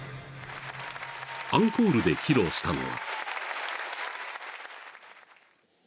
［アンコールで披露したのは］